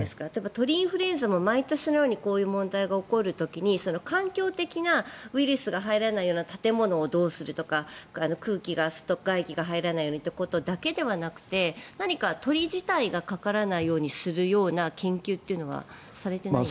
鳥インフルエンザも毎年のようにこういう問題が起こる時に環境的なウイルスが入らないような建物をどうするとか空気が、外気が入らないようにということだけではなくて何か、鳥自体がかからないようにするような研究というのはされていないんですか？